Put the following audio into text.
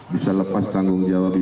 bisa lepas tanggung jawab